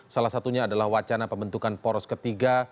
salah satunya adalah wacana pembentukan poros ketiga